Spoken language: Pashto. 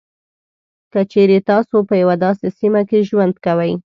که چېري تاسو په یوه داسې سیمه کې ژوند کوئ.